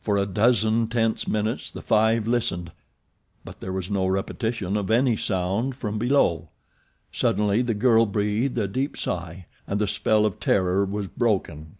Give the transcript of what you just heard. For a dozen tense minutes the five listened; but there was no repetition of any sound from below. Suddenly the girl breathed a deep sigh, and the spell of terror was broken.